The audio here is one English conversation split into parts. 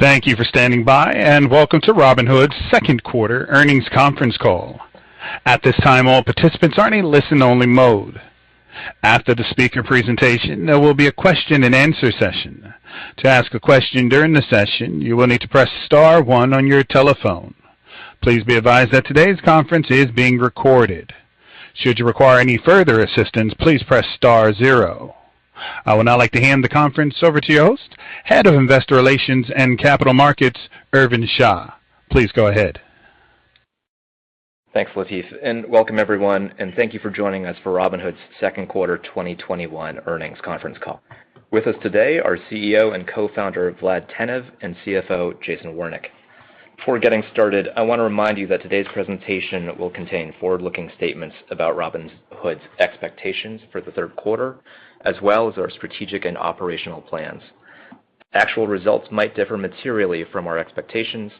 Thank you for standing by. Welcome to Robinhood's Second Quarter Earnings Conference Call. At this time, all participants are in a listen-only mode. After the speaker presentation, there will be a question and answer session. To ask a question during the session, you will need to press star one on your telephone. Please be advised that today's conference is being recorded. Should you require any further assistance, please press star zero. I would now like to hand the conference over to your host, Head of Investor Relations and Capital Markets, Irvin Sha. Please go ahead. Thanks, Lateef, and welcome everyone, and thank you for joining us for Robinhood's Second Quarter 2021 Earnings Conference Call. With us today are CEO and Co-Founder, Vlad Tenev, and CFO, Jason Warnick. Before getting started, I want to remind you that today's presentation will contain forward-looking statements about Robinhood's expectations for the third quarter, as well as our strategic and operational plans. Actual results might differ materially from our expectations.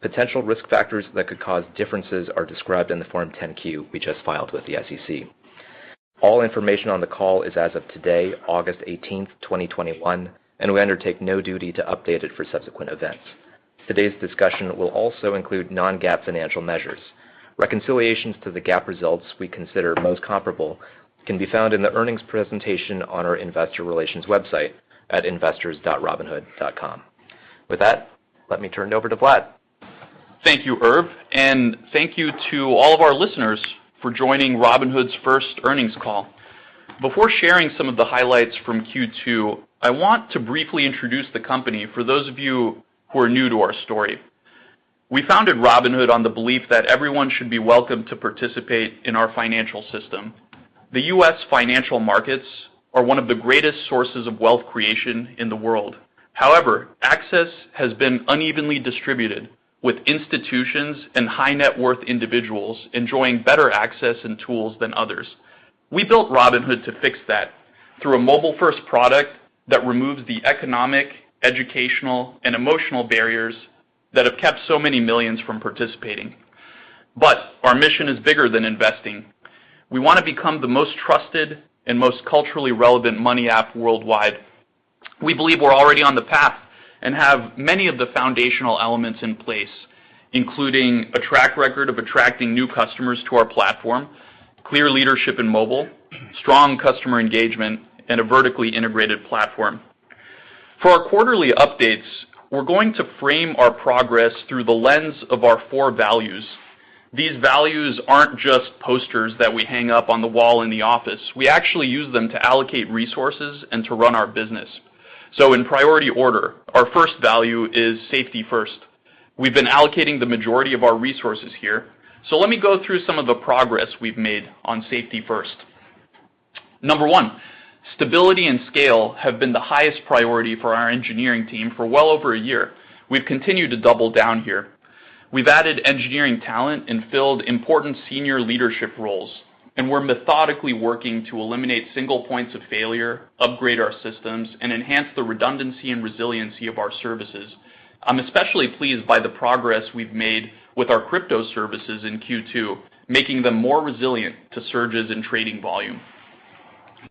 Potential risk factors that could cause differences are described in the Form 10-Q we just filed with the SEC. All information on the call is as of today, August 18th, 2021, and we undertake no duty to update it for subsequent events. Today's discussion will also include non-GAAP financial measures. Reconciliations to the GAAP results we consider most comparable can be found in the earnings presentation on our investor relations website at investors.robinhood.com. With that, let me turn it over to Vlad. Thank you, Irv, and thank you to all of our listeners for joining Robinhood's first earnings call. Before sharing some of the highlights from Q2, I want to briefly introduce the company for those of you who are new to our story. We founded Robinhood on the belief that everyone should be welcome to participate in our financial system. The U.S. financial markets are one of the greatest sources of wealth creation in the world. However, access has been unevenly distributed, with institutions and high-net-worth individuals enjoying better access and tools than others. We built Robinhood to fix that through a mobile-first product that removes the economic, educational, and emotional barriers that have kept so many millions from participating. Our mission is bigger than investing. We want to become the most trusted and most culturally relevant money app worldwide. We believe we're already on the path and have many of the foundational elements in place, including a track record of attracting new customers to our platform, clear leadership in mobile, strong customer engagement, and a vertically integrated platform. For our quarterly updates, we're going to frame our progress through the lens of our four values. These values aren't just posters that we hang up on the wall in the office. We actually use them to allocate resources and to run our business. In priority order, our first value is safety first. We've been allocating the majority of our resources here. Let me go through some of the progress we've made on safety first. Number one, stability and scale have been the highest priority for our engineering team for well over a year. We've continued to double down here. We've added engineering talent and filled important senior leadership roles. We're methodically working to eliminate single points of failure, upgrade our systems, and enhance the redundancy and resiliency of our services. I'm especially pleased by the progress we've made with our crypto services in Q2, making them more resilient to surges in trading volume.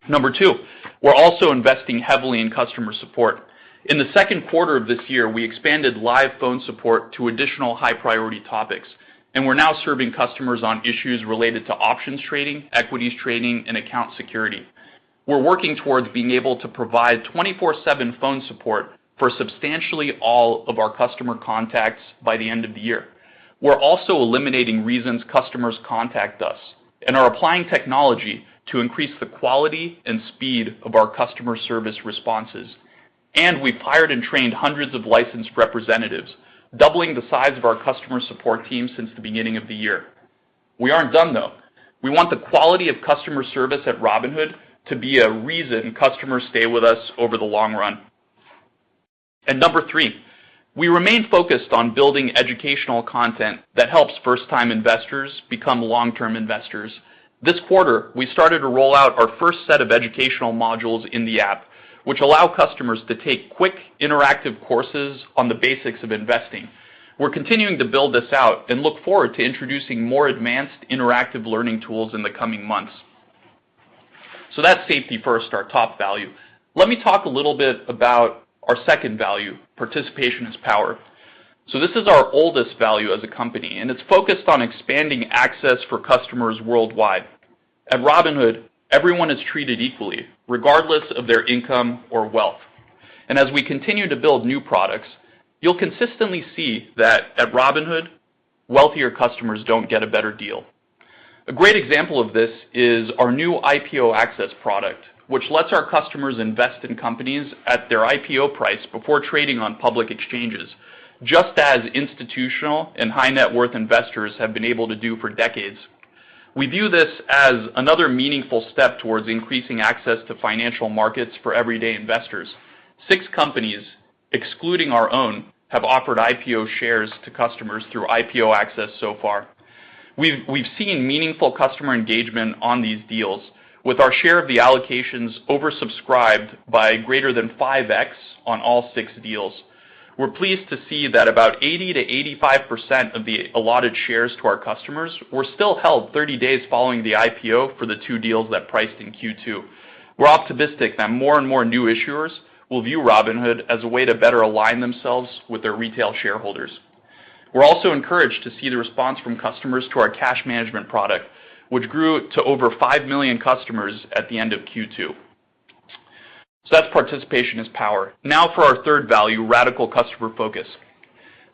Number two, we're also investing heavily in customer support. In the second quarter of this year, we expanded live phone support to additional high-priority topics. We're now serving customers on issues related to options trading, equities trading, and account security. We're working towards being able to provide 24/7 phone support for substantially all of our customer contacts by the end of the year. We're also eliminating reasons customers contact us and are applying technology to increase the quality and speed of our customer service responses. We've hired and trained hundreds of licensed representatives, doubling the size of our customer support team since the beginning of the year. We aren't done, though. We want the quality of customer service at Robinhood to be a reason customers stay with us over the long run. Number three, we remain focused on building educational content that helps first-time investors become long-term investors. This quarter, we started to roll out our first set of educational modules in the app, which allow customers to take quick, interactive courses on the basics of investing. We're continuing to build this out and look forward to introducing more advanced interactive learning tools in the coming months. That's safety first, our top value. Let me talk a little bit about our second value, participation is power. This is our oldest value as a company, and it's focused on expanding access for customers worldwide. At Robinhood, everyone is treated equally, regardless of their income or wealth. As we continue to build new products, you'll consistently see that at Robinhood, wealthier customers don't get a better deal. A great example of this is our new IPO Access product, which lets our customers invest in companies at their IPO price before trading on public exchanges, just as institutional and high-net-worth investors have been able to do for decades. We view this as another meaningful step towards increasing access to financial markets for everyday investors. Six companies, excluding our own, have offered IPO shares to customers through IPO Access so far. We've seen meaningful customer engagement on these deals, with our share of the allocations oversubscribed by greater than 5X on all six deals. We're pleased to see that about 80%-85% of the allotted shares to our customers were still held 30 days following the IPO for the two deals that priced in Q2. We're optimistic that more and more new issuers will view Robinhood as a way to better align themselves with their retail shareholders. We're also encouraged to see the response from customers to our cash management product, which grew to over 5 million customers at the end of Q2. That's participation is power. Now for our third value, radical customer focus.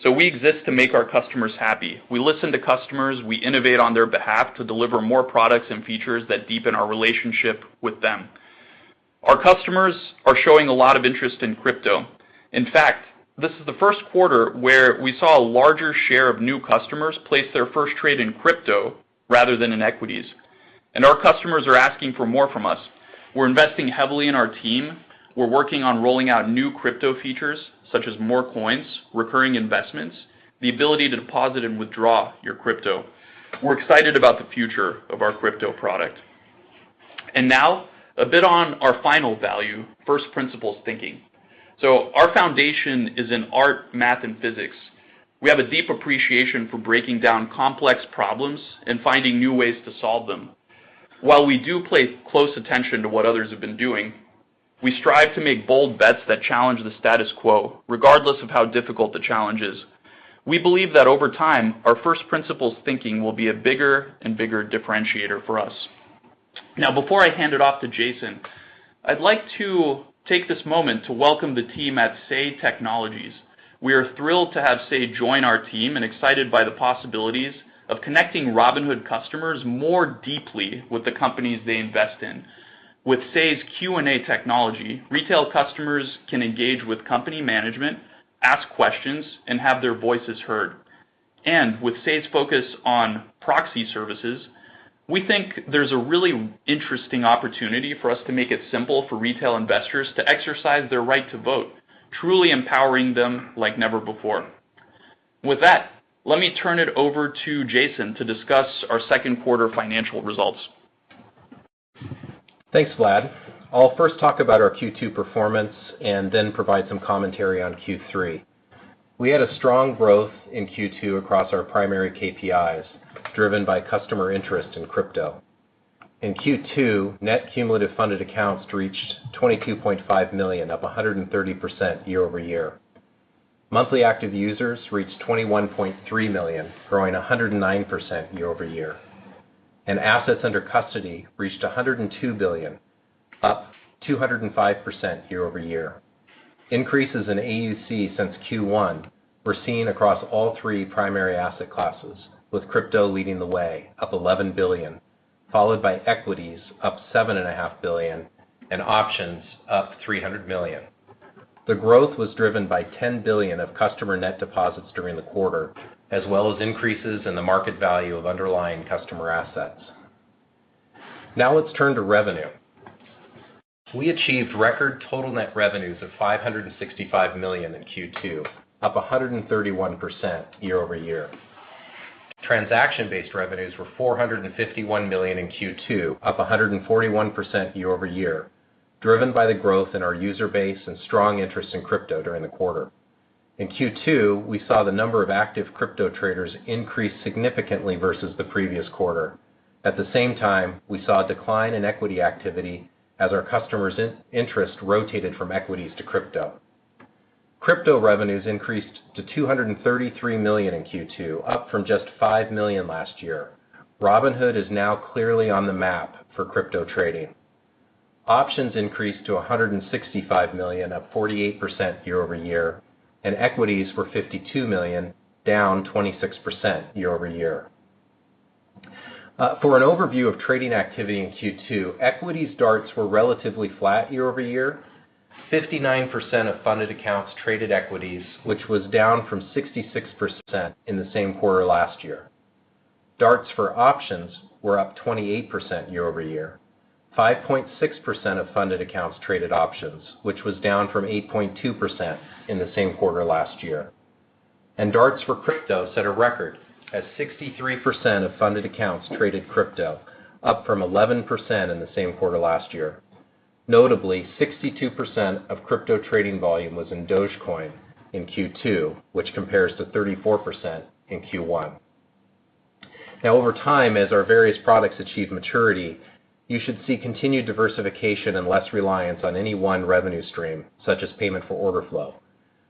We exist to make our customers happy. We listen to customers, we innovate on their behalf to deliver more products and features that deepen our relationship with them. Our customers are showing a lot of interest in crypto. In fact, this is the first quarter where we saw a larger share of new customers place their first trade in crypto rather than in equities. Our customers are asking for more from us. We're investing heavily in our team. We're working on rolling out new crypto features such as more coins, recurring investments, the ability to deposit and withdraw your crypto. We're excited about the future of our crypto product. Now, a bit on our final value, first principles thinking. Our foundation is in art, math, and physics. We have a deep appreciation for breaking down complex problems and finding new ways to solve them. While we do pay close attention to what others have been doing, we strive to make bold bets that challenge the status quo, regardless of how difficult the challenge is. We believe that over time, our first principles thinking will be a bigger and bigger differentiator for us. Before I hand it off to Jason, I'd like to take this moment to welcome the team at Say Technologies. We are thrilled to have Say join our team and excited by the possibilities of connecting Robinhood customers more deeply with the companies they invest in. With Say's Q&A technology, retail customers can engage with company management, ask questions, and have their voices heard. With Say's focus on proxy services, we think there's a really interesting opportunity for us to make it simple for retail investors to exercise their right to vote, truly empowering them like never before. Let me turn it over to Jason to discuss our second quarter financial results. Thanks, Vlad. I'll first talk about our Q2 performance and then provide some commentary on Q3. We had a strong growth in Q2 across our primary KPIs, driven by customer interest in crypto. In Q2, net cumulative funded accounts reached 22.5 million, up 130% year-over-year. Monthly active users reached 21.3 million, growing 109% year-over-year. Assets under custody reached $102 billion, up 205% year-over-year. Increases in AUC since Q1 were seen across all three primary asset classes, with crypto leading the way, up $11 billion, followed by equities, up $7.5 billion, and options, up $300 million. The growth was driven by $10 billion of customer net deposits during the quarter, as well as increases in the market value of underlying customer assets. Now let's turn to revenue. We achieved record total net revenues of $565 million in Q2, up 131% year-over-year. Transaction-based revenues were $451 million in Q2, up 141% year-over-year, driven by the growth in our user base and strong interest in crypto during the quarter. In Q2, we saw the number of active crypto traders increase significantly versus the previous quarter. At the same time, we saw a decline in equity activity as our customers' interest rotated from equities to crypto. Crypto revenues increased to $233 million in Q2, up from just $5 million last year. Robinhood is now clearly on the map for crypto trading. Options increased to $165 million, up 48% year-over-year, and equities were $52 million, down 26% year-over-year. For an overview of trading activity in Q2, equities DARTs were relatively flat year-over-year. 59% of funded accounts traded equities, which was down from 66% in the same quarter last year. DARTs for options were up 28% year-over-year. 5.6% of funded accounts traded options, which was down from 8.2% in the same quarter last year. DARTs for crypto set a record as 63% of funded accounts traded crypto, up from 11% in the same quarter last year. Notably, 62% of crypto trading volume was in Dogecoin in Q2, which compares to 34% in Q1. Over time, as our various products achieve maturity, you should see continued diversification and less reliance on any one revenue stream, such as payment for order flow.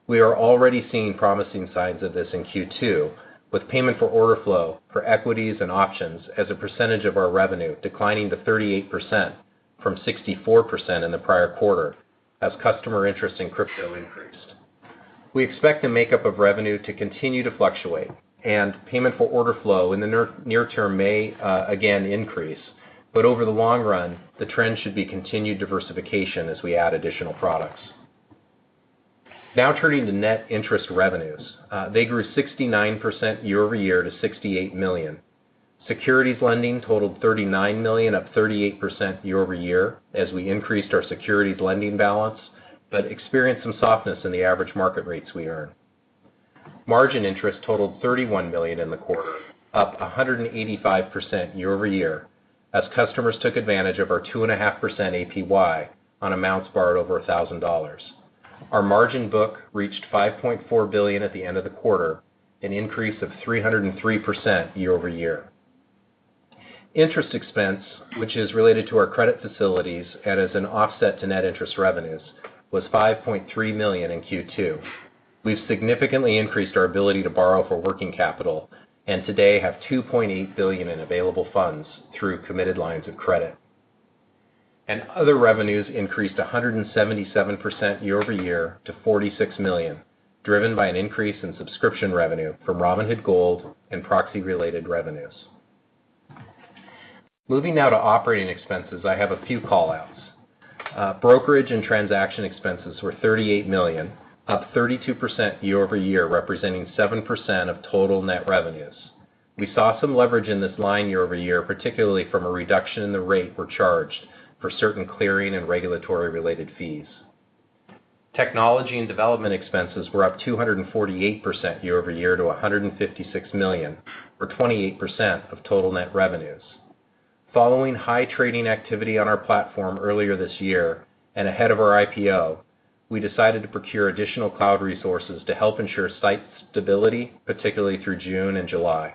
We are already seeing promising signs of this in Q2, with payment for order flow for equities and options as a percentage of our revenue declining to 38% from 64% in the prior quarter, as customer interest in crypto increased. We expect the makeup of revenue to continue to fluctuate, and payment for order flow in the near term may again increase. Over the long run, the trend should be continued diversification as we add additional products. Now turning to net interest revenues. They grew 69% year-over-year to $68 million. Securities lending totaled $39 million, up 38% year-over-year, as we increased our securities lending balance, but experienced some softness in the average market rates we earn. Margin interest totaled $31 million in the quarter, up 185% year-over-year, as customers took advantage of our 2.5% APY on amounts borrowed over $1,000. Our margin book reached $5.4 billion at the end of the quarter, an increase of 303% year-over-year. Interest expense, which is related to our credit facilities and is an offset to net interest revenues, was $5.3 million in Q2. We've significantly increased our ability to borrow for working capital and today have $2.8 billion in available funds through committed lines of credit. Other revenues increased 177% year-over-year to $46 million, driven by an increase in subscription revenue from Robinhood Gold and proxy-related revenues. Moving now to operating expenses, I have a few callouts. Brokerage and transaction expenses were $38 million, up 32% year-over-year, representing 7% of total net revenues. We saw some leverage in this line year-over-year, particularly from a reduction in the rate we're charged for certain clearing and regulatory-related fees. Technology and development expenses were up 248% year-over-year to $156 million, or 28% of total net revenues. Following high trading activity on our platform earlier this year, and ahead of our IPO, we decided to procure additional cloud resources to help ensure site stability, particularly through June and July.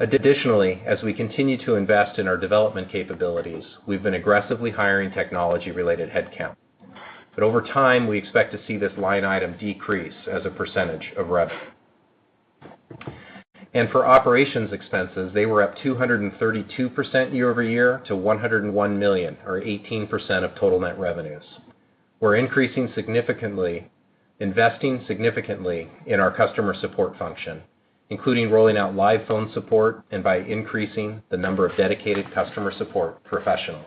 Additionally, as we continue to invest in our development capabilities, we've been aggressively hiring technology-related headcount. Over time, we expect to see this line item decrease as a percentage of revenue. For operations expenses, they were up 232% year-over-year to $101 million, or 18% of total net revenues. We're investing significantly in our customer support function, including rolling out live phone support and by increasing the number of dedicated customer support professionals.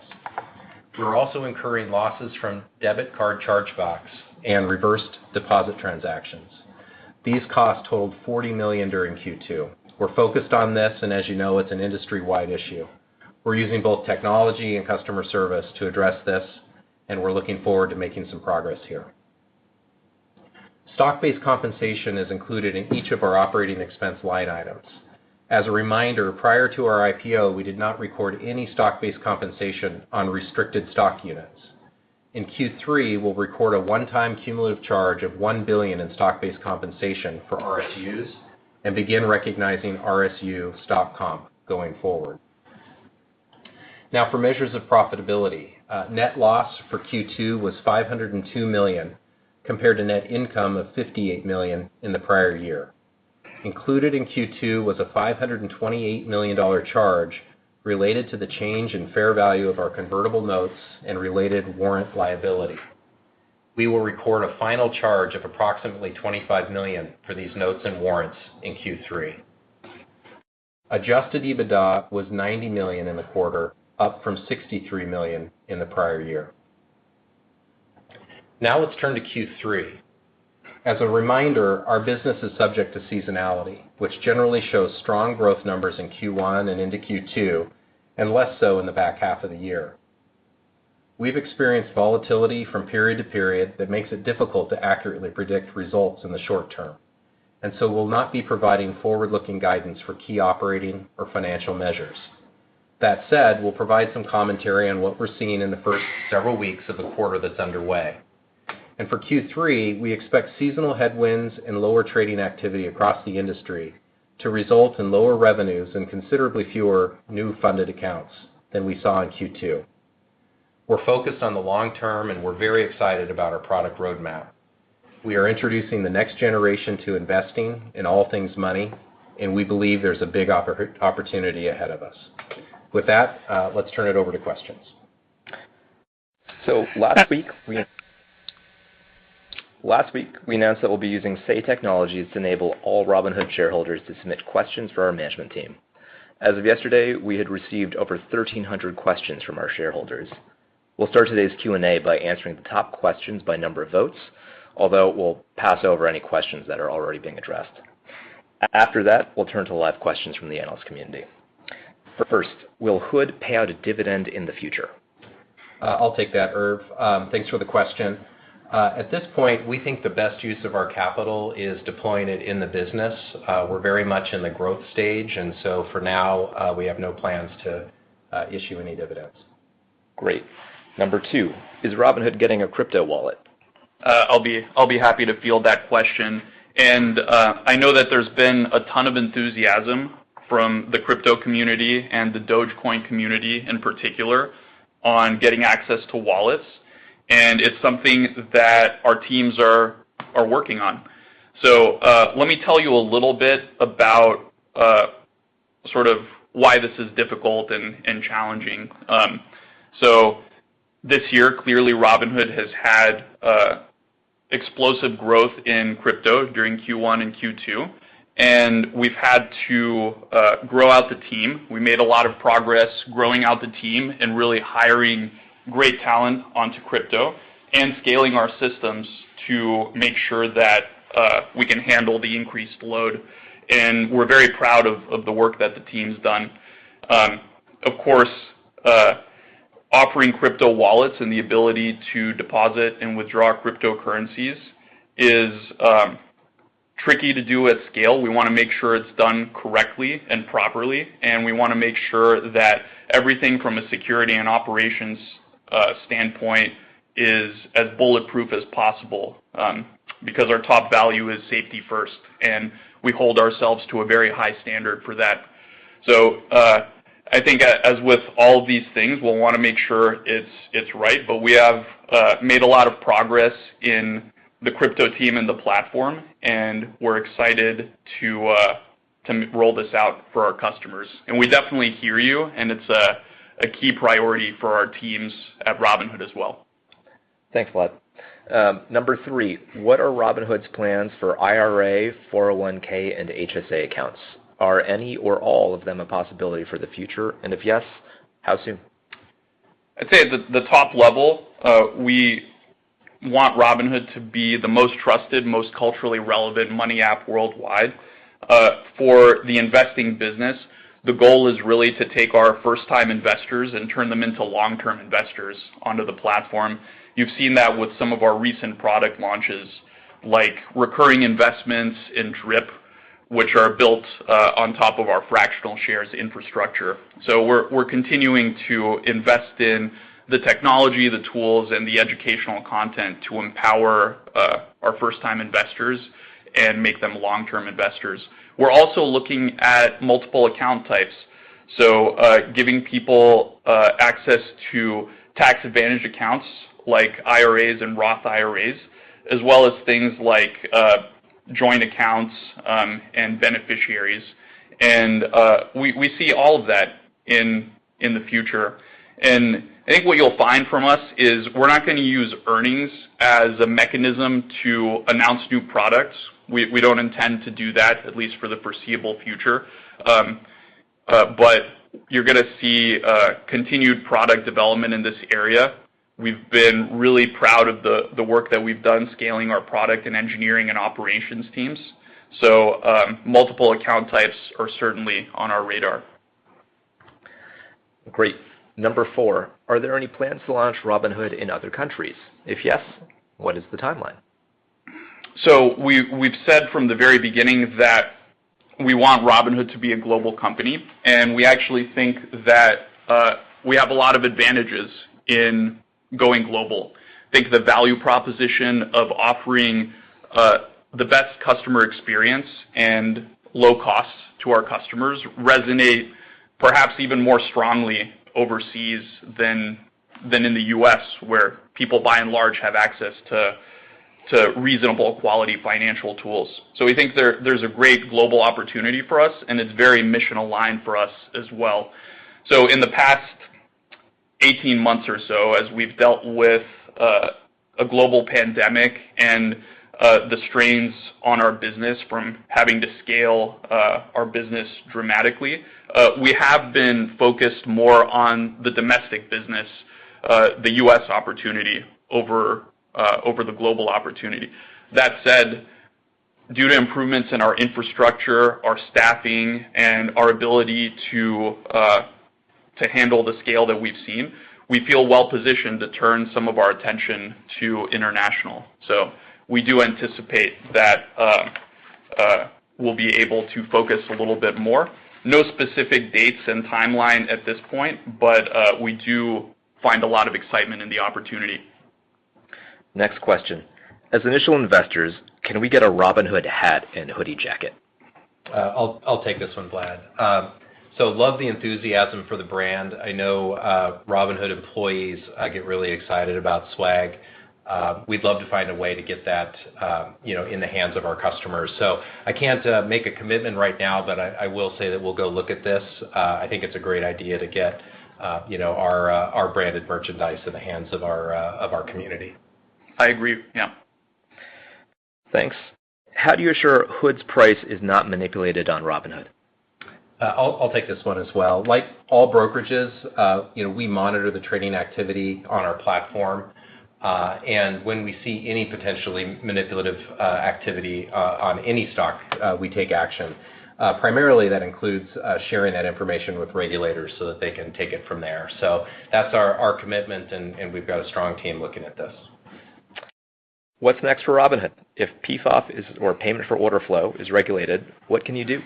We're also incurring losses from debit card chargebacks and reversed deposit transactions. These costs totaled $40 million during Q2. We're focused on this, and as you know, it's an industry-wide issue. We're using both technology and customer service to address this, and we're looking forward to making some progress here. Stock-based compensation is included in each of our operating expense line items. As a reminder, prior to our IPO, we did not record any stock-based compensation on restricted stock units. In Q3, we'll record a one-time cumulative charge of $1 billion in stock-based compensation for RSUs and begin recognizing RSU stock comp going forward. For measures of profitability. Net loss for Q2 was $502 million, compared to net income of $58 million in the prior year. Included in Q2 was a $528 million charge related to the change in fair value of our convertible notes and related warrant liability. We will record a final charge of approximately $25 million for these notes and warrants in Q3. Adjusted EBITDA was $90 million in the quarter, up from $63 million in the prior year. Now let's turn to Q3. As a reminder, our business is subject to seasonality, which generally shows strong growth numbers in Q1 and into Q2, and less so in the back half of the year. We've experienced volatility from period to period that makes it difficult to accurately predict results in the short term, and so we'll not be providing forward-looking guidance for key operating or financial measures. That said, we'll provide some commentary on what we're seeing in the first several weeks of the quarter that's underway. For Q3, we expect seasonal headwinds and lower trading activity across the industry to result in lower revenues and considerably fewer new funded accounts than we saw in Q2. We're focused on the long term, and we're very excited about our product roadmap. We are introducing the next generation to investing in all things money, and we believe there's a big opportunity ahead of us. With that, let's turn it over to questions. Last week, we announced that we'll be using Say Technologies to enable all Robinhood shareholders to submit questions for our management team. As of yesterday, we had received over 1,300 questions from our shareholders. We'll start today's Q&A by answering the top questions by number of votes, although we'll pass over any questions that are already being addressed. After that, we'll turn to live questions from the analyst community. First, will HOOD pay out a dividend in the future? I'll take that, Irv. Thanks for the question. At this point, we think the best use of our capital is deploying it in the business. We're very much in the growth stage. For now, we have no plans to issue any dividends. Great. Number two, is Robinhood getting a crypto wallet? I'll be happy to field that question. I know that there's been a ton of enthusiasm from the crypto community and the Dogecoin community in particular on getting access to wallets, and it's something that our teams are working on. Let me tell you a little bit about sort of why this is difficult and challenging. This year, clearly, Robinhood has had explosive growth in crypto during Q1 and Q2, and we've had to grow out the team. We made a lot of progress growing out the team and really hiring great talent onto crypto and scaling our systems to make sure that we can handle the increased load, and we're very proud of the work that the team's done. Of course, offering crypto wallets and the ability to deposit and withdraw cryptocurrencies is tricky to do at scale. We want to make sure it's done correctly and properly, we want to make sure that everything from a security and operations standpoint is as bulletproof as possible, because our top value is safety first, and we hold ourselves to a very high standard for that. I think as with all of these things, we'll want to make sure it's right, but we have made a lot of progress in the crypto team and the platform, and we're excited to roll this out for our customers. We definitely hear you, and it's a key priority for our teams at Robinhood as well. Thanks, Vlad. Number three, what are Robinhood's plans for IRA, 401(k) and HSA accounts? Are any or all of them a possibility for the future? If yes, how soon? I'd say at the top level, we want Robinhood to be the most trusted, most culturally relevant money app worldwide. For the investing business, the goal is really to take our first-time investors and turn them into long-term investors onto the platform. You've seen that with some of our recent product launches, like recurring investments in DRIP, which are built on top of our fractional shares infrastructure. We're continuing to invest in the technology, the tools, and the educational content to empower our first-time investors and make them long-term investors. We're also looking at multiple account types, so giving people access to tax advantage accounts like IRAs and Roth IRAs, as well as things like joint accounts and beneficiaries, and we see all of that in the future. I think what you'll find from us is we're not going to use earnings as a mechanism to announce new products. We don't intend to do that, at least for the foreseeable future. You're going to see continued product development in this area. We've been really proud of the work that we've done scaling our product and engineering and operations teams. Multiple account types are certainly on our radar. Great. Number four, are there any plans to launch Robinhood in other countries? If yes, what is the timeline? We've said from the very beginning that we want Robinhood to be a global company, and we actually think that we have a lot of advantages in going global. I think the value proposition of offering the best customer experience and low costs to our customers resonates perhaps even more strongly overseas than in the U.S., where people by and large have access to reasonable quality financial tools. We think there's a great global opportunity for us, and it's very mission-aligned for us as well. In the past 18 months or so, as we've dealt with a global pandemic and the strains on our business from having to scale our business dramatically, we have been focused more on the domestic business, the U.S. opportunity, over the global opportunity. Due to improvements in our infrastructure, our staffing, and our ability to handle the scale that we've seen, we feel well positioned to turn some of our attention to international. We do anticipate that we'll be able to focus a little bit more. No specific dates and timeline at this point, but we do find a lot of excitement in the opportunity. Next question. As initial investors, can we get a Robinhood hat and hoodie jacket? I'll take this one, Vlad. Love the enthusiasm for the brand. I know Robinhood employees get really excited about swag. We'd love to find a way to get that in the hands of our customers. I can't make a commitment right now, but I will say that we'll go look at this. I think it's a great idea to get our branded merchandise in the hands of our community. I agree. Yeah. Thanks. How do you assure HOOD's price is not manipulated on Robinhood? I'll take this one as well. Like all brokerages, we monitor the trading activity on our platform. When we see any potentially manipulative activity on any stock, we take action. Primarily, that includes sharing that information with regulators so that they can take it from there. That's our commitment, and we've got a strong team looking at this. What's next for Robinhood? If PFOF or payment for order flow is regulated, what can you do?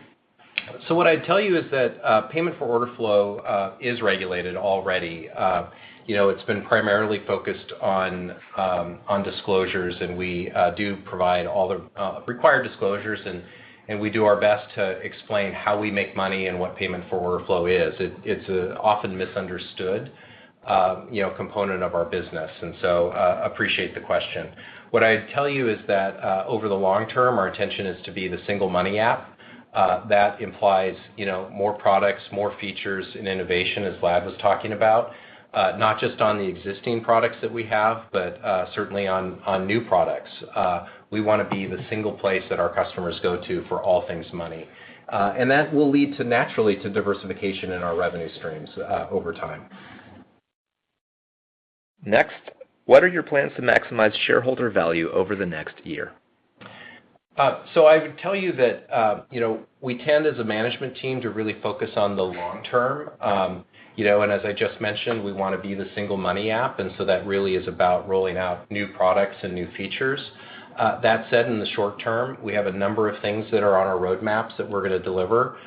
What I'd tell you is that payment for order flow is regulated already. It's been primarily focused on disclosures, and we do provide all the required disclosures, and we do our best to explain how we make money and what payment for order flow is. It's an often misunderstood component of our business, appreciate the question. What I'd tell you is that, over the long term, our intention is to be the single money app. That implies more products, more features, and innovation, as Vlad was talking about, not just on the existing products that we have, but certainly on new products. We want to be the single place that our customers go to for all things money. That will lead naturally to diversification in our revenue streams over time. What are your plans to maximize shareholder value over the next year? I would tell you that we tend as a management team to really focus on the long term. As I just mentioned, we want to be the single money app, that really is about rolling out new products and new features. That said, in the short term, we have a number of things that are on our roadmaps that we're going to deliver.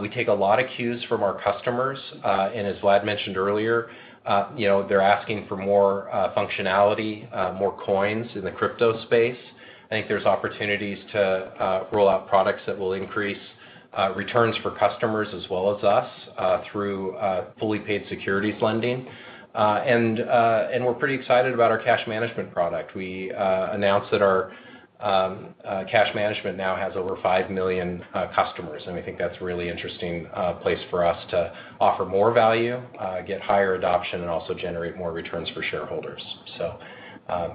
We take a lot of cues from our customers, and as Vlad mentioned earlier, they're asking for more functionality, more coins in the crypto space. I think there's opportunities to roll out products that will increase returns for customers as well as us, through fully paid securities lending. We're pretty excited about our cash management product. We announced that our cash management now has over five million customers, and we think that's a really interesting place for us to offer more value, get higher adoption, and also generate more returns for shareholders. A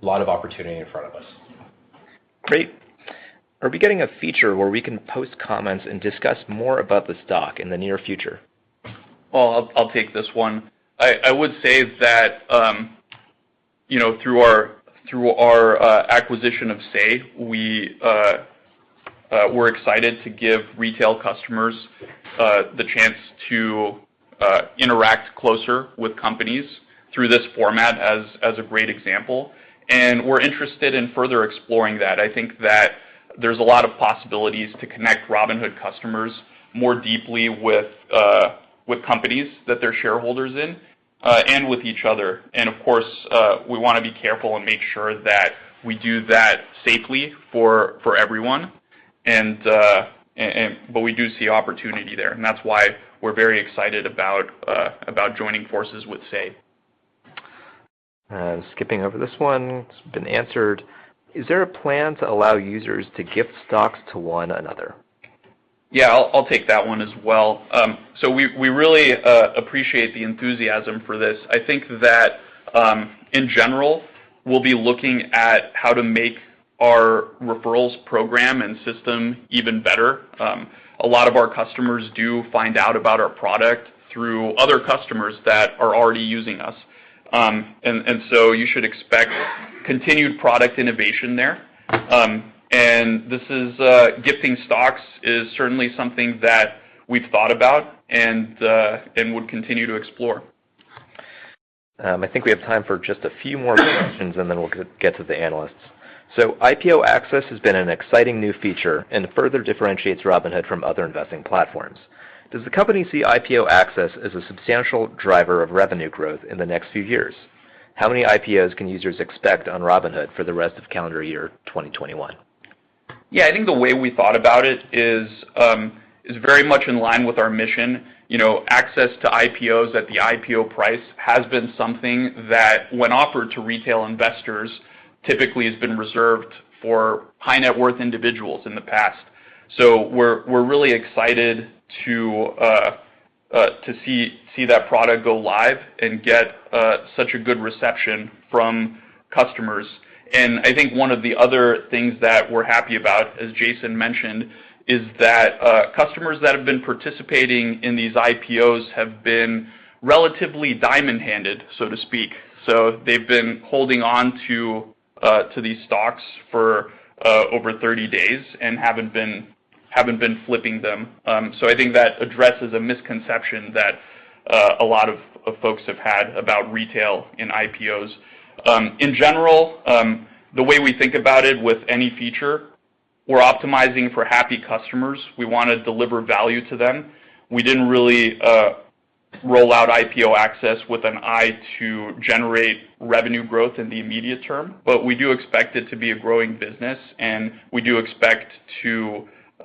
lot of opportunity in front of us. Great. Are we getting a feature where we can post comments and discuss more about the stock in the near future? Well, I'll take this one. I would say that through our acquisition of Say, we're excited to give retail customers the chance to interact closer with companies through this format as a great example. We're interested in further exploring that. I think that there's a lot of possibilities to connect Robinhood customers more deeply with companies that they're shareholders in, and with each other. Of course, we want to be careful and make sure that we do that safely for everyone. We do see opportunity there, and that's why we're very excited about joining forces with Say. Skipping over this one, it's been answered. Is there a plan to allow users to gift stocks to one another? Yeah, I'll take that one as well. We really appreciate the enthusiasm for this. I think that, in general, we'll be looking at how to make our referrals program and system even better. A lot of our customers do find out about our product through other customers that are already using us. You should expect continued product innovation there. Gifting stocks is certainly something that we've thought about and would continue to explore. I think we have time for just a few more questions and then we'll get to the analysts. IPO Access has been an exciting new feature and further differentiates Robinhood from other investing platforms. Does the company see IPO Access as a substantial driver of revenue growth in the next few years? How many IPOs can users expect on Robinhood for the rest of calendar year 2021? Yeah, I think the way we thought about it is very much in line with our mission. Access to IPOs at the IPO price has been something that when offered to retail investors, typically has been reserved for high net worth individuals in the past. We're really excited to see that product go live and get such a good reception from customers. I think one of the other things that we're happy about, as Jason mentioned, is that customers that have been participating in these IPOs have been relatively diamond-handed, so to speak. They've been holding on to these stocks for over 30 days and haven't been flipping them. I think that addresses a misconception that a lot of folks have had about retail and IPOs. In general, the way we think about it with any feature, we're optimizing for happy customers. We want to deliver value to them. We didn't really roll out IPO Access with an eye to generate revenue growth in the immediate term, but we do expect it to be a growing business, and we do expect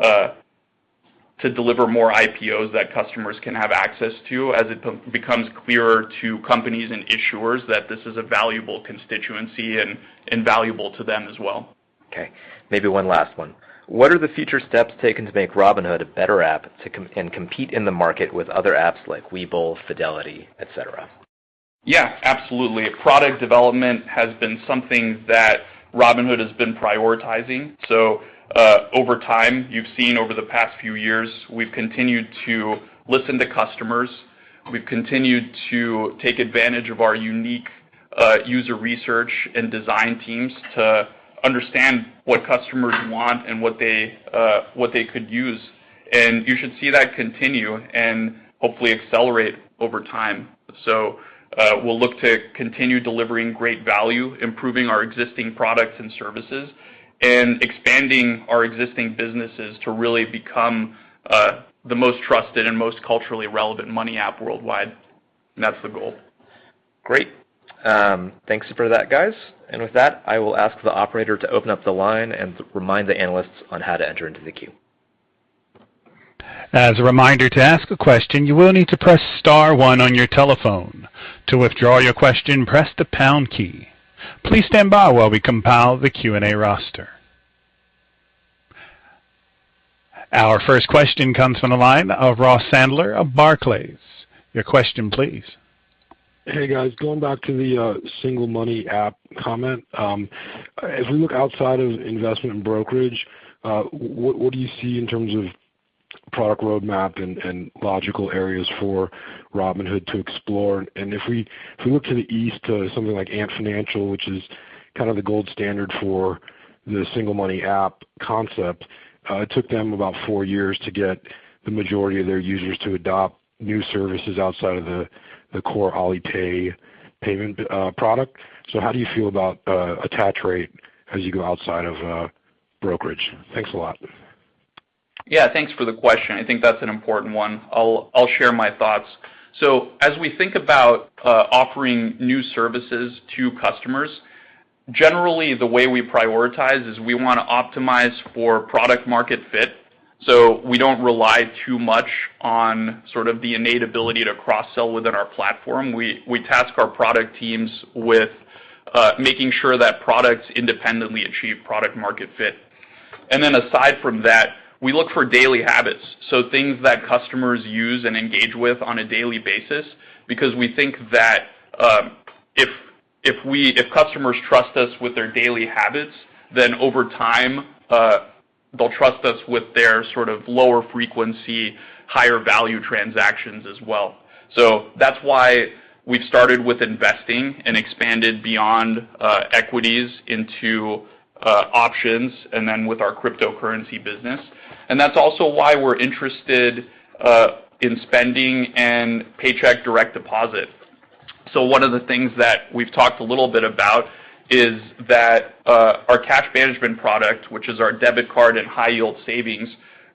to deliver more IPOs that customers can have access to as it becomes clearer to companies and issuers that this is a valuable constituency and valuable to them as well. Okay, maybe one last one. What are the future steps taken to make Robinhood a better app, and compete in the market with other apps like Webull, Fidelity, et cetera? Yeah, absolutely. Product development has been something that Robinhood has been prioritizing. Over time, you've seen over the past few years, we've continued to listen to customers. We've continued to take advantage of our unique user research and design teams to understand what customers want and what they could use. You should see that continue and hopefully accelerate over time. We'll look to continue delivering great value, improving our existing products and services, and expanding our existing businesses to really become the most trusted and most culturally relevant money app worldwide. That's the goal. Great. Thanks for that, guys. With that, I will ask the operator to open up the line and remind the analysts on how to enter into the queue. As a reminder, to ask a question, you will need to press star one on your telephone. To withdraw your question, press the pound key. Please stand by while we compile the Q&A roster. Our first question comes from the line of Ross Sandler of Barclays. Your question, please. Hey, guys. Going back to the single money app comment. As we look outside of investment brokerage, what do you see in terms of product roadmap and logical areas for Robinhood to explore. If we look to the east to something like Ant Financial, which is kind of the gold standard for the single money app concept, it took them about four years to get the majority of their users to adopt new services outside of the core Alipay payment product. How do you feel about attach rate as you go outside of brokerage? Thanks a lot. Yeah. Thanks for the question. I think that's an important one. I'll share my thoughts. As we think about offering new services to customers, generally, the way we prioritize is we want to optimize for product-market fit. We don't rely too much on sort of the innate ability to cross-sell within our platform. We task our product teams with making sure that products independently achieve product-market fit. Aside from that, we look for daily habits, so things that customers use and engage with on a daily basis, because we think that if customers trust us with their daily habits, then over time, they'll trust us with their sort of lower frequency, higher value transactions as well. That's why we've started with investing and expanded beyond equities into options, and then with our cryptocurrency business. That's also why we're interested in spending and paycheck direct deposit. One of the things that we've talked a little bit about is that our cash management product, which is our debit card and high yield savings,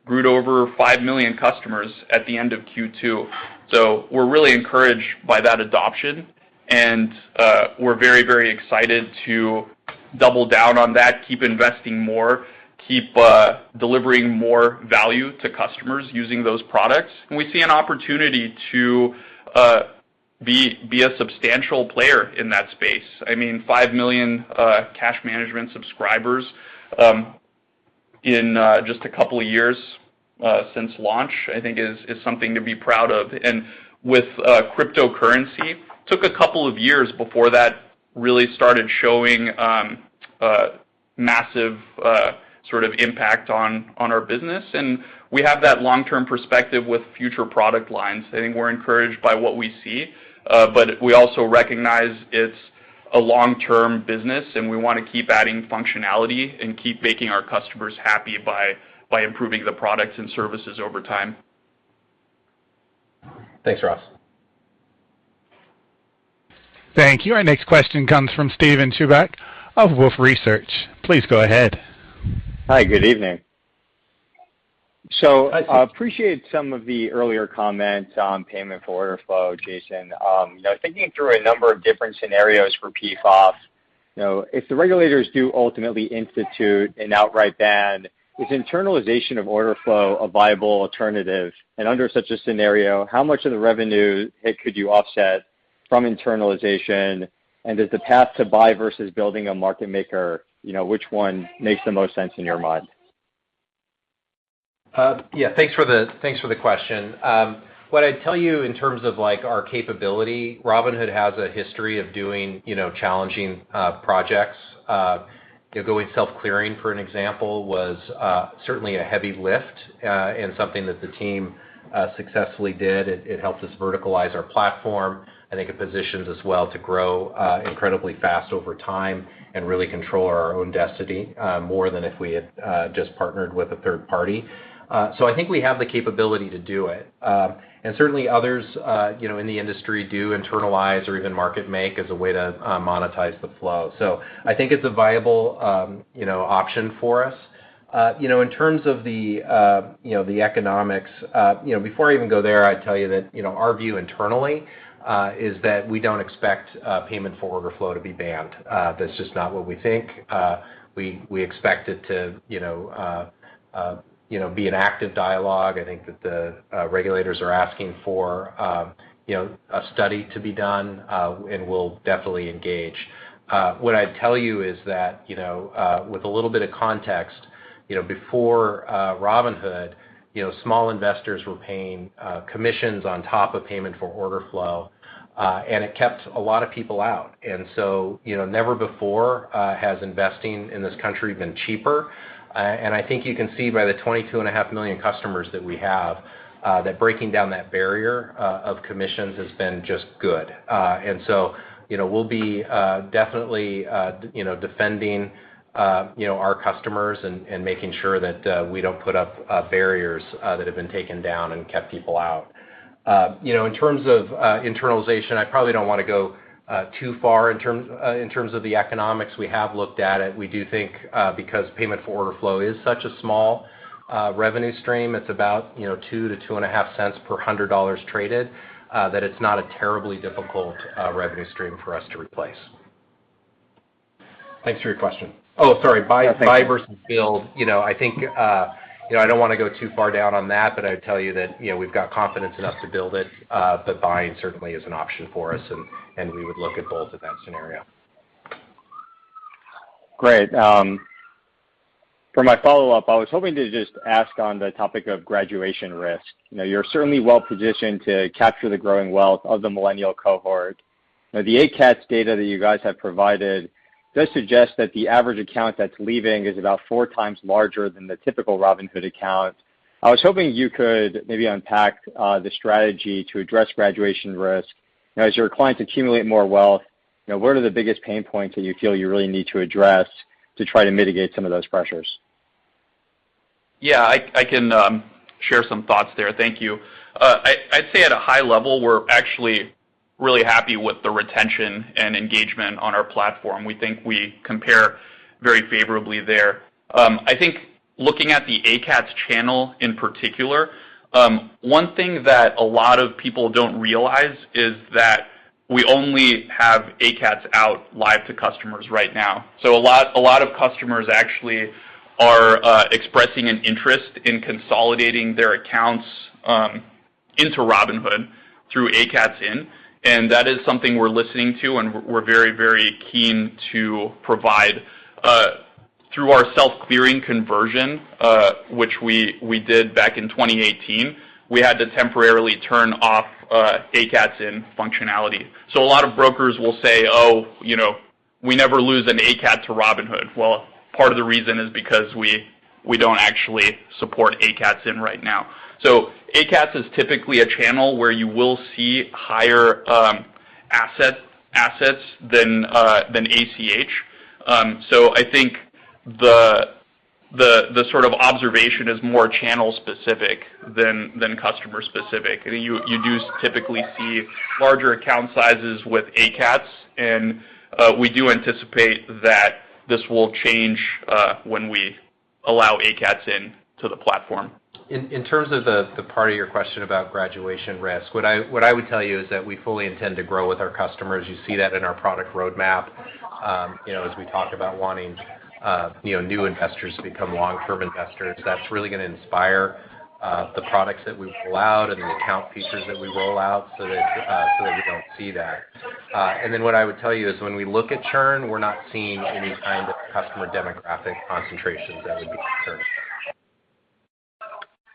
grew to over five million customers at the end of Q2. We're really encouraged by that adoption and we're very excited to double down on that, keep investing more, keep delivering more value to customers using those products. We see an opportunity to be a substantial player in that space. I mean, five million cash management subscribers in just a couple of years since launch, I think is something to be proud of. With cryptocurrency, took a couple of years before that really started showing massive sort of impact on our business, and we have that long-term perspective with future product lines. I think we're encouraged by what we see, but we also recognize it's a long-term business, and we want to keep adding functionality and keep making our customers happy by improving the products and services over time. Thanks, Ross. Thank you. Our next question comes from Steven Chubak of Wolfe Research. Please go ahead. Hi. Good evening. I appreciate some of the earlier comments on payment for order flow, Jason. Thinking through a number of different scenarios for PFOF, if the regulators do ultimately institute an outright ban, is internalization of order flow a viable alternative? Under such a scenario, how much of the revenue hit could you offset from internalization, and is the path to buy versus building a market maker, which one makes the most sense in your mind? Thanks for the question. What I'd tell you in terms of our capability, Robinhood has a history of doing challenging projects. Going self-clearing, for an example, was certainly a heavy lift and something that the team successfully did. It helped us verticalize our platform. I think it positions us well to grow incredibly fast over time and really control our own destiny more than if we had just partnered with a third party. I think we have the capability to do it. Certainly, others in the industry do internalize or even market make as a way to monetize the flow. I think it's a viable option for us. In terms of the economics, before I even go there, I'd tell you that our view internally is that we don't expect payment for order flow to be banned. That's just not what we think. We expect it to be an active dialogue. I think that the regulators are asking for a study to be done, and we'll definitely engage. What I'd tell you is that, with a little bit of context, before Robinhood, small investors were paying commissions on top of payment for order flow, and it kept a lot of people out. Never before has investing in this country been cheaper. I think you can see by the 22.5 million customers that we have, that breaking down that barrier of commissions has been just good. We'll be definitely defending our customers and making sure that we don't put up barriers that have been taken down and kept people out. In terms of internalization, I probably don't want to go too far in terms of the economics. We have looked at it. We do think because payment for order flow is such a small revenue stream, it's about $0.02-$0.025 per $100 traded, that it's not a terribly difficult revenue stream for us to replace. Thanks for your question. Oh, sorry. Buy versus build. I don't want to go too far down on that, but I would tell you that we've got confidence enough to build it. Buying certainly is an option for us, and we would look at both in that scenario. Great. For my follow-up, I was hoping to just ask on the topic of graduation risk. You're certainly well-positioned to capture the growing wealth of the millennial cohort. Now, the ACATS data that you guys have provided does suggest that the average account that's leaving is about four times larger than the typical Robinhood account. I was hoping you could maybe unpack the strategy to address graduation risk. Now, as your clients accumulate more wealth, what are the biggest pain points that you feel you really need to address to try to mitigate some of those pressures? Yeah, I can share some thoughts there. Thank you. I'd say at a high level, we're actually really happy with the retention and engagement on our platform. We think we compare very favorably there. I think looking at the ACATS channel in particular, one thing that a lot of people don't realize is that we only have ACATS out live to customers right now. A lot of customers actually are expressing an interest in consolidating their accounts into Robinhood through ACATS in, and that is something we're listening to, and we're very, very keen to provide. Through our self-clearing conversion, which we did back in 2018, we had to temporarily turn off ACATS in functionality. A lot of brokers will say, "Oh, we never lose an ACAT to Robinhood." Well, part of the reason is because we don't actually support ACATS in right now. ACATS is typically a channel where you will see higher assets than ACH. I think the sort of observation is more channel specific than customer specific. You do typically see larger account sizes with ACATS, and we do anticipate that this will change when we allow ACATS in to the platform. In terms of the part of your question about graduation risk, what I would tell you is that we fully intend to grow with our customers. You see that in our product roadmap, as we talk about wanting new investors to become long-term investors, that's really going to inspire the products that we roll out and the account features that we roll out so that we don't see that. What I would tell you is when we look at churn, we're not seeing any kind of customer demographic concentrations that would be concerning.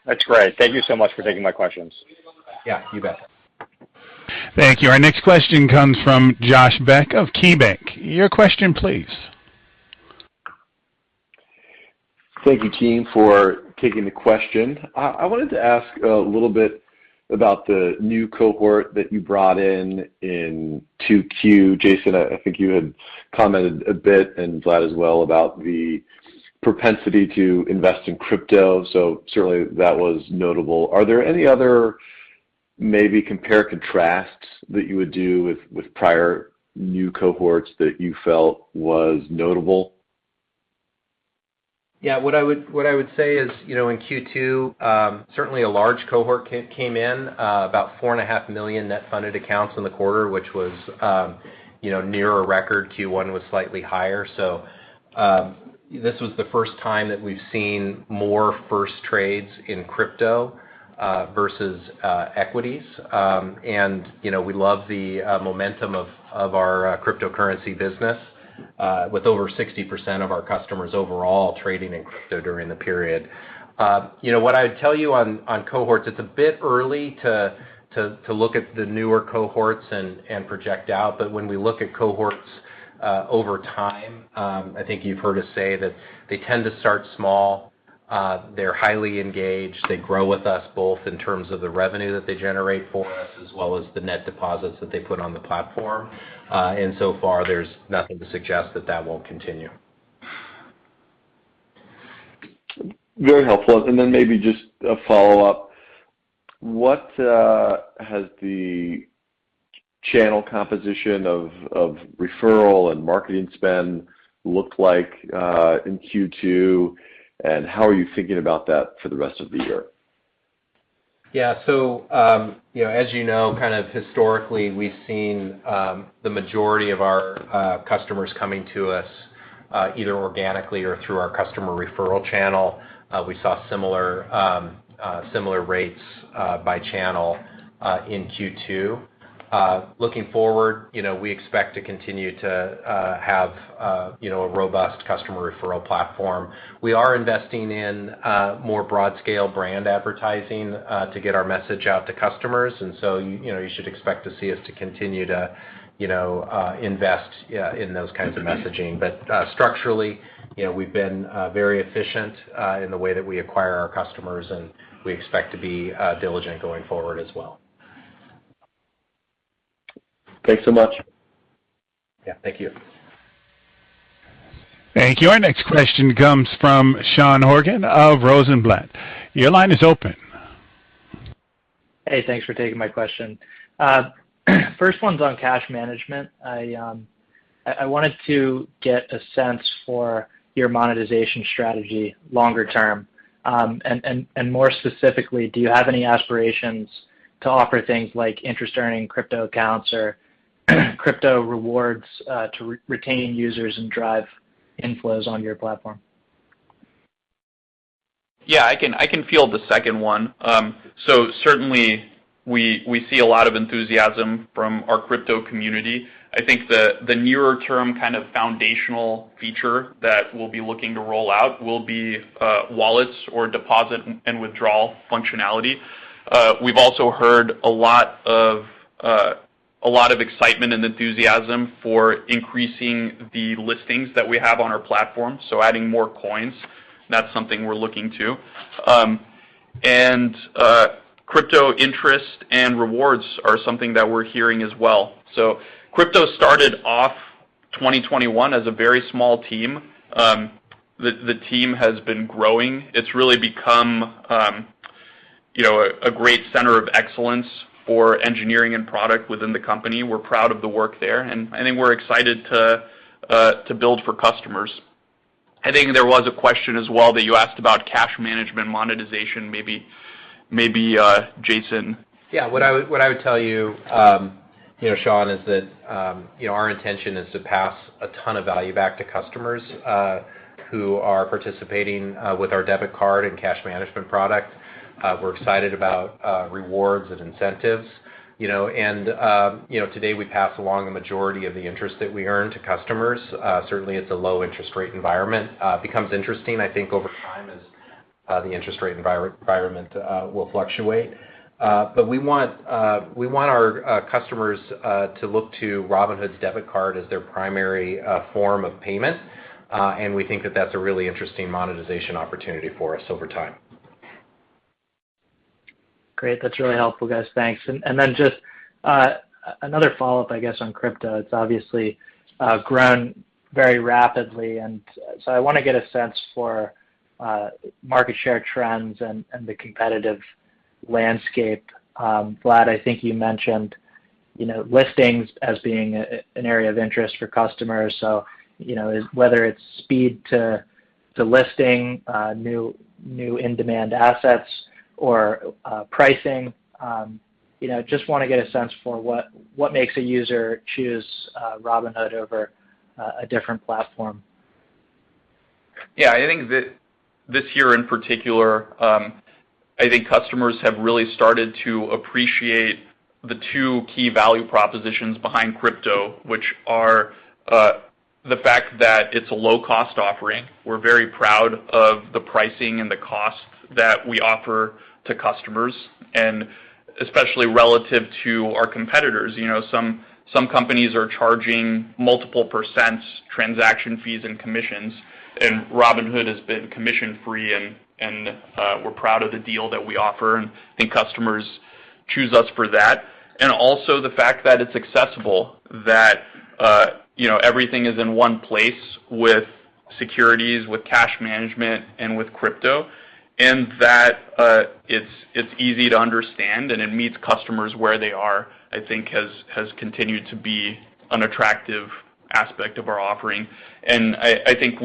That's great. Thank you so much for taking my questions. Yeah, you bet. Thank you. Our next question comes from Josh Beck of KeyBanc. Your question please. Thank you team, for taking the question. I wanted to ask a little bit about the new cohort that you brought in in 2Q. Jason, I think you had commented a bit, and Vlad as well, about the propensity to invest in crypto, so certainly, that was notable. Are there any other maybe compare and contrasts that you would do with prior new cohorts that you felt was notable? Yeah, what I would say is, in Q2, certainly a large cohort came in, about 4.5 million net funded accounts in the quarter, which was near a record. Q1 was slightly higher. This was the first time that we've seen more first trades in crypto versus equities. We love the momentum of our cryptocurrency business, with over 60% of our customers overall trading in crypto during the period. What I would tell you on cohorts, it's a bit early to look at the newer cohorts and project out. When we look at cohorts over time, I think you've heard us say that they tend to start small. They're highly engaged. They grow with us both in terms of the revenue that they generate for us, as well as the net deposits that they put on the platform. So far, there's nothing to suggest that that won't continue. Very helpful. Maybe just a follow-up. What has the channel composition of referral and marketing spend looked like in Q2, and how are you thinking about that for the rest of the year? Yeah. As you know, kind of historically, we've seen the majority of our customers coming to us either organically or through our customer referral channel. We saw similar rates by channel in Q2. Looking forward, we expect to continue to have a robust customer referral platform. We are investing in more broad scale brand advertising to get our message out to customers, you should expect to see us to continue to invest in those kinds of messaging. Structurally, we've been very efficient in the way that we acquire our customers, and we expect to be diligent going forward as well. Thanks so much. Yeah. Thank you. Thank you. Our next question comes from Sean Horgan of Rosenblatt. Your line is open. Hey, thanks for taking my question. First one's on cash management. I wanted to get a sense for your monetization strategy longer term. More specifically, do you have any aspirations to offer things like interest earning crypto accounts or crypto rewards to retain users and drive inflows on your platform? Yeah, I can field the second one. Certainly, we see a lot of enthusiasm from our crypto community. I think the nearer term kind of foundational feature that we'll be looking to roll out will be wallets or deposit and withdrawal functionality. We've also heard a lot of excitement and enthusiasm for increasing the listings that we have on our platform, so adding more coins. That's something we're looking to. Crypto interest and rewards are something that we're hearing as well. Crypto started off 2021 as a very small team. The team has been growing. It's really become a great center of excellence for engineering and product within the company. We're proud of the work there, and I think we're excited to build for customers. I think there was a question as well that you asked about cash management monetization, maybe Jason. Yeah. What I would tell you, Sean, is that our intention is to pass a ton of value back to customers who are participating with our debit card and cash management product. We're excited about rewards and incentives. Today, we pass along the majority of the interest that we earn to customers. Certainly, it's a low-interest rate environment. Becomes interesting, I think, over time as the interest rate environment will fluctuate. We want our customers to look to Robinhood's debit card as their primary form of payment. We think that that's a really interesting monetization opportunity for us over time. Great. That's really helpful, guys. Thanks. Then just another follow-up, I guess, on crypto. It's obviously grown very rapidly, and so I want to get a sense for market share trends and the competitive landscape. Vlad, I think you mentioned listings as being an area of interest for customers. Whether it's speed to listing new in-demand assets or pricing, just want to get a sense for what makes a user choose Robinhood over a different platform. Yeah, I think this year in particular, I think customers have really started to appreciate the two key value propositions behind crypto, which are the fact that it's a low-cost offering. We're very proud of the pricing and the costs that we offer to customers, and especially relative to our competitors. Some companies are charging multiple percents transaction fees and commissions, and Robinhood has been commission-free, and we're proud of the deal that we offer, and I think customers choose us for that. Also the fact that it's accessible, that everything is in one place with securities, with cash management, and with crypto, and that it's easy to understand, and it meets customers where they are, I think has continued to be an attractive aspect of our offering. I think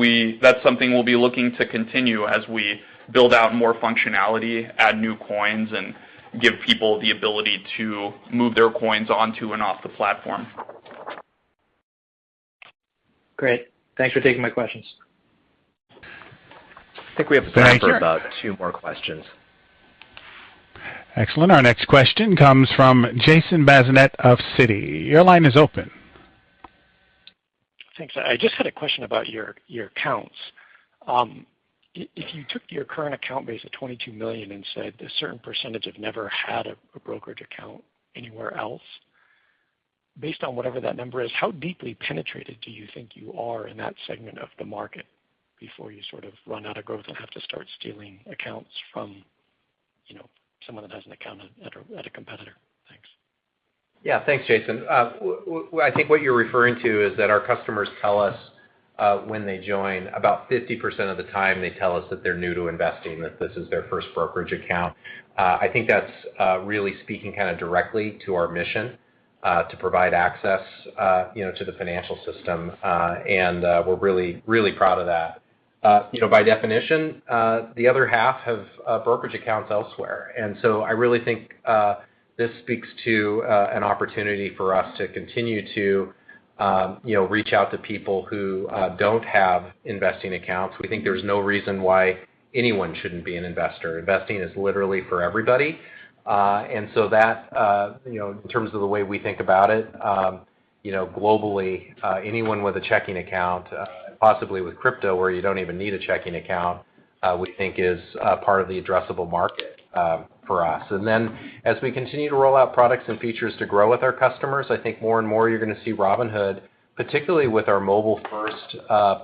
that's something we'll be looking to continue as we build out more functionality, add new coins, and give people the ability to move their coins onto and off the platform. Great. Thanks for taking my questions. I think we have time. for about two more questions. Excellent. Our next question comes from Jason Bazinet of Citi. Your line is open. Thanks. I just had a question about your accounts. If you took your current account base of 22 million and said a certain percentage have never had a brokerage account anywhere else, based on whatever that number is, how deeply penetrated do you think you are in that segment of the market before you sort of run out of growth and have to start stealing accounts from someone that has an account at a competitor? Thanks. Yeah. Thanks, Jason. I think what you're referring to is that our customers tell us when they join, about 50% of the time, they tell us that they're new to investing, that this is their first brokerage account. I think that's really speaking kind of directly to our mission, to provide access to the financial system, and we're really proud of that. By definition, the other half have brokerage accounts elsewhere. I really think this speaks to an opportunity for us to continue to reach out to people who don't have investing accounts. We think there's no reason why anyone shouldn't be an investor. Investing is literally for everybody. That, in terms of the way we think about it, globally, anyone with a checking account, and possibly with crypto, where you don't even need a checking account, we think is part of the addressable market for us. As we continue to roll out products and features to grow with our customers, I think more and more you're going to see Robinhood, particularly with our mobile-first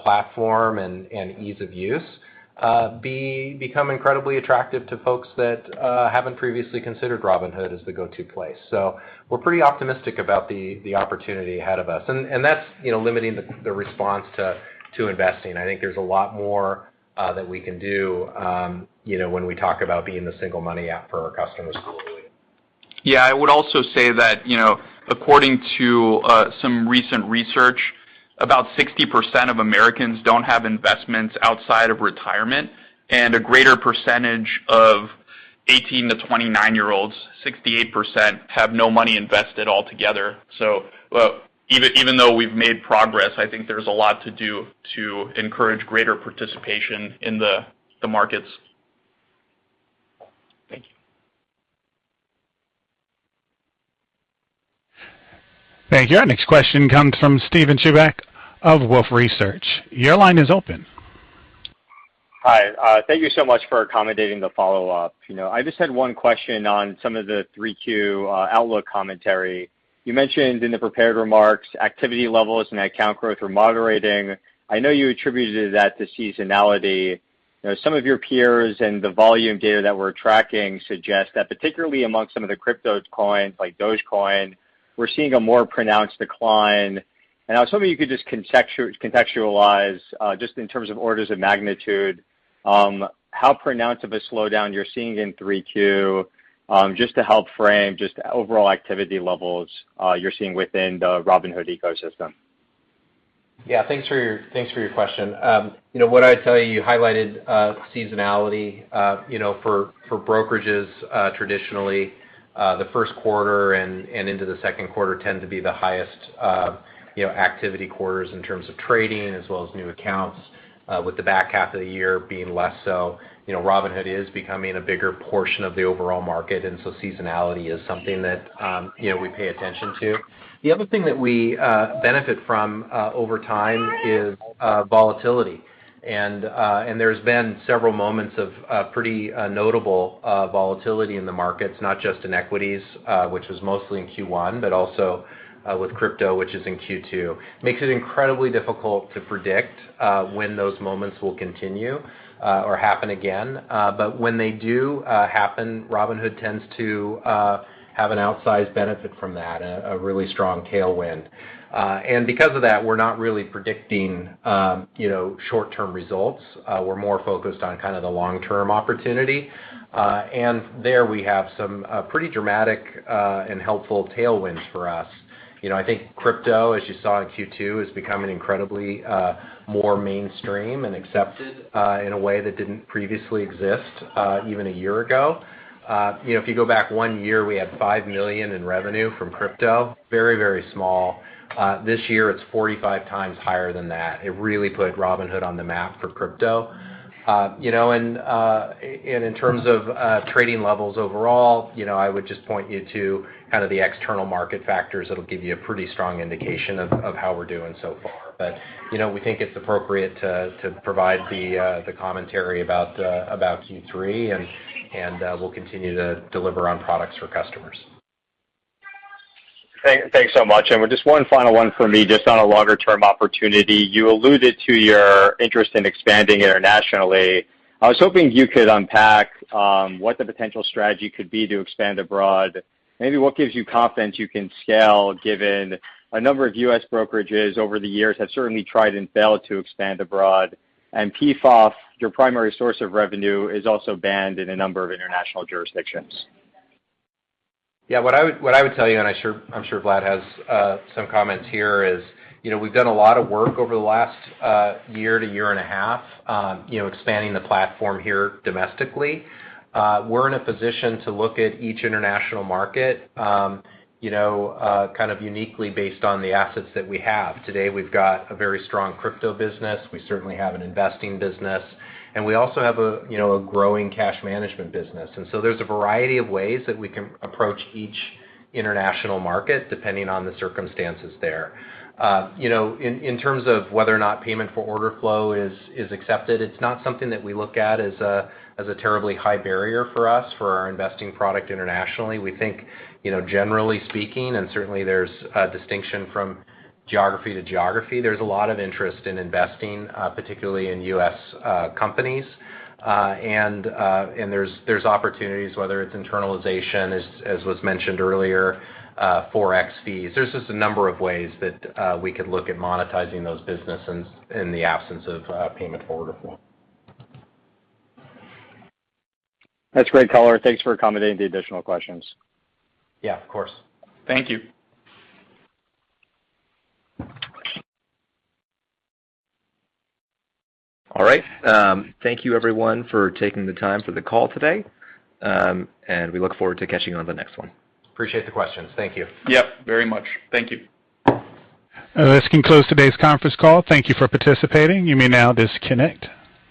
platform and ease of use, become incredibly attractive to folks that haven't previously considered Robinhood as the go-to place. We're pretty optimistic about the opportunity ahead of us, and that's limiting the response to investing. I think there's a lot more that we can do when we talk about being the single money app for our customers globally. Yeah. I would also say that according to some recent research, about 60% of Americans don't have investments outside of retirement, and a greater percentage of 18 to 29-year-olds, 68%, have no money invested altogether. Even though we've made progress, I think there's a lot to do to encourage greater participation in the markets. Thank you. Thank you. Our next question comes from Steven Chubak of Wolfe Research. Your line is open. Hi. Thank you so much for accommodating the follow-up. I just had one question on some of the 3Q outlook commentary. You mentioned in the prepared remarks, activity levels and account growth were moderating. I know you attributed that to seasonality. Some of your peers and the volume data that we're tracking suggest that particularly amongst some of the crypto coins, like Dogecoin, we're seeing a more pronounced decline. I was hoping you could just contextualize, just in terms of orders of magnitude, how pronounced of a slowdown you're seeing in 3Q, just to help frame just overall activity levels you're seeing within the Robinhood ecosystem. Thanks for your question. What I'd tell you highlighted seasonality. For brokerages, traditionally, the first quarter and into the second quarter tend to be the highest activity quarters in terms of trading, as well as new accounts, with the back half of the year being less so. Robinhood is becoming a bigger portion of the overall market, and so seasonality is something that we pay attention to. The other thing that we benefit from over time is volatility, and there's been several moments of pretty notable volatility in the markets, not just in equities which was mostly in Q1, but also with crypto, which is in Q2. Makes it incredibly difficult to predict when those moments will continue or happen again. When they do happen, Robinhood tends to have an outsized benefit from that, a really strong tailwind. Because of that, we're not really predicting short-term results. We're more focused on kind of the long-term opportunity. There we have some pretty dramatic and helpful tailwinds for us. I think crypto, as you saw in Q2, is becoming incredibly more mainstream and accepted in a way that didn't previously exist even a year ago. If you go back one year, we had $5 million in revenue from crypto. Very, very small. This year it's 45 times higher than that. It really put Robinhood on the map for crypto. In terms of trading levels overall, I would just point you to kind of the external market factors that'll give you a pretty strong indication of how we're doing so far. We think it's appropriate to provide the commentary about Q3, and we'll continue to deliver on products for customers. Thanks so much. With just one final one for me, just on a longer-term opportunity. You alluded to your interest in expanding internationally. I was hoping you could unpack what the potential strategy could be to expand abroad. Maybe what gives you confidence you can scale, given a number of U.S. brokerages over the years have certainly tried and failed to expand abroad, and PFOF, your primary source of revenue, is also banned in a number of international jurisdictions. What I would tell you, and I'm sure Vlad has some comments here, is we've done a lot of work over the last year to year and a half expanding the platform here domestically. We're in a position to look at each international market kind of uniquely based on the assets that we have. Today we've got a very strong crypto business, we certainly have an investing business, and we also have a growing cash management business. So there's a variety of ways that we can approach each international market, depending on the circumstances there. In terms of whether or not payment for order flow is accepted, it's not something that we look at as a terribly high barrier for us, for our investing product internationally. We think, generally speaking, and certainly there's a distinction from geography to geography, there's a lot of interest in investing, particularly in U.S. companies. There's opportunities, whether it's internalization, as was mentioned earlier, Forex fees. There's just a number of ways that we could look at monetizing those businesses in the absence of payment for order flow. That's great color. Thanks for accommodating the additional questions. Yeah, of course. Thank you. All right. Thank you everyone for taking the time for the call today, and we look forward to catching you on the next one. Appreciate the questions. Thank you. Yep, very much. Thank you. This concludes today's conference call. Thank you for participating. You may now disconnect.